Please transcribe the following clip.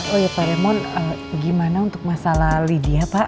oh iya pak remon gimana untuk masalah lydia pak